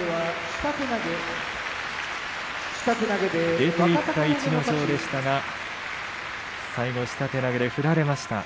出ていった逸ノ城でしたが最後は下手投げで振られました。